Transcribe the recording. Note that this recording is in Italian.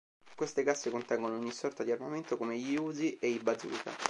Queste casse contengono ogni sorta di armamento come gli Uzi e i Bazooka.